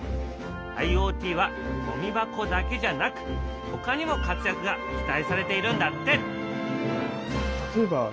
ＩｏＴはゴミ箱だけじゃなくほかにも活躍が期待されているんだって！